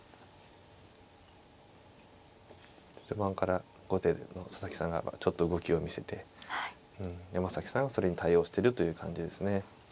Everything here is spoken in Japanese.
序盤から後手の佐々木さんがちょっと動きを見せて山崎さんがそれに対応してるという感じですね。